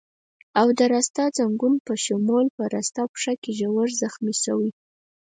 او د راسته ځنګون په شمول په راسته پښه کې ژور زخمي شوی.